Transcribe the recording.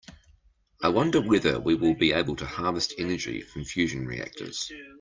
I wonder whether we will be able to harvest energy from fusion reactors.